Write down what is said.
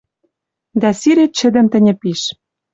Дӓ сирет чӹдӹм тӹньӹ пиш.